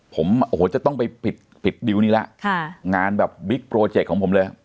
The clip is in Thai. ผมโอ้โหจะต้องไปปิดปิดดิวนี้แล้วงานแบบบิ๊กโปรเจกต์ของผมเลย